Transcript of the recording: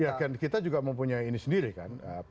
ya kan kita juga mempunyai ini sendiri kan